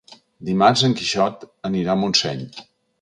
Dimarts en Quixot anirà a Montseny.